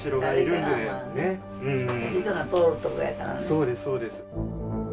そうですそうです。